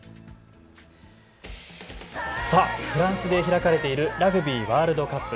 さあ、フランスで開かれているラグビーワールドカップ。